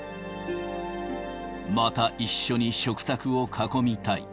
また一緒に食卓を囲みたい。